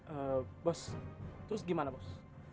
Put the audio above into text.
eh bos terus gimana bos